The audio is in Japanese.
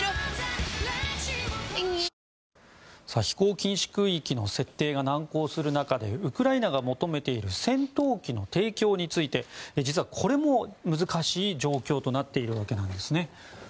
飛行禁止空域の設定が難航する中でウクライナが求めている戦闘機の提供について実はこれも難しい状況となっているわけなんです。